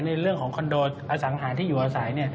เรื่องของคอนโดอสังหารที่อยู่อาศัย